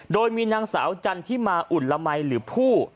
โดยมีนางสาวจันทิมาอุ่นละมัยหรือผู้